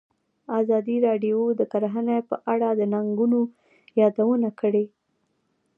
ازادي راډیو د کرهنه په اړه د ننګونو یادونه کړې.